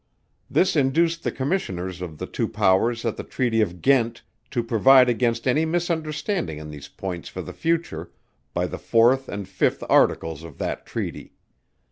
This induced the Commissioners of the two Powers at the treaty of Ghent to provide against any misunderstanding on these points for the future, by the fourth and fifth articles of that treaty.